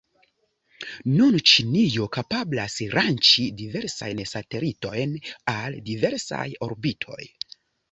Nun Ĉinio kapablas lanĉi diversajn satelitojn al diversaj orbitoj.